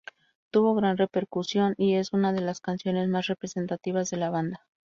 Tuvo gran repercusión, y es una de las canciones más representativas de la banda.